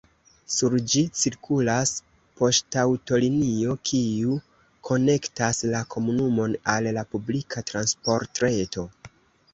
Sur ĝi cirkulas poŝtaŭtolinio, kiu konektas la komunumon al la publika transportreto.